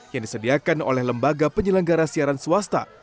yang disediakan oleh lembaga penyelenggara siaran swasta